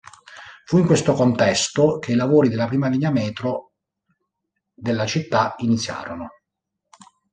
Fu in questo contesto che i lavori della prima linea metro della città iniziarono.